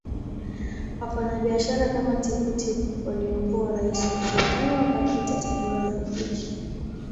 Wafanyabiashara kama Tippu Tip waliokuwa raia wa Usultani wakapita Tabora na Ujiji